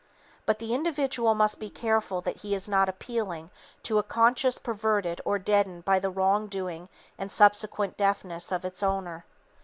But the individual must be careful that he is not appealing to a conscience perverted or deadened by the wrongdoing and subsequent deafness of its owner.